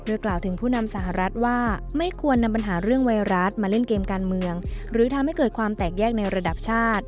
กล่าวถึงผู้นำสหรัฐว่าไม่ควรนำปัญหาเรื่องไวรัสมาเล่นเกมการเมืองหรือทำให้เกิดความแตกแยกในระดับชาติ